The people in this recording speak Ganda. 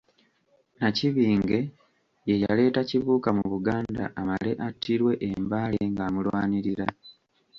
Nnakibinge ye yaleeta Kibuka mu Buganda amale attirwe e Mbale ng'amulwanirira.